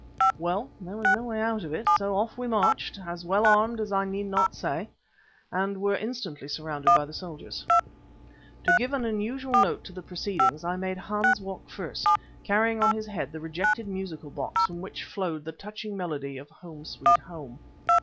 Well, there was no way out of it, so off we marched, all well armed as I need not say, and were instantly surrounded by the soldiers. To give an unusual note to the proceedings I made Hans walk first, carrying on his head the rejected musical box from which flowed the touching melody of "Home, Sweet Home."